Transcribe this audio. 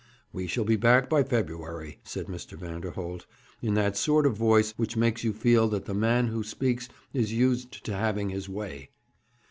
'We shall be back by February,' said Mr. Vanderholt, in that sort of voice which makes you feel that the man who speaks is used to having his way.